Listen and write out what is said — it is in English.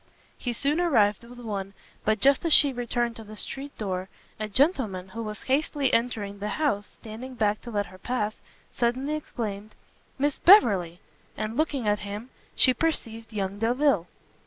He soon arrived with one; but just as she returned to the street door, a gentleman, who was hastily entering the house, standing back to let her pass, suddenly exclaimed, "Miss Beverley!" and looking at him, she perceived young Delvile.